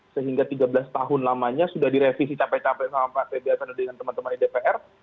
sehingga tiga belas tahun lamanya sudah direvisi capek capek sama pak febri hasan dan dengan teman teman di dpr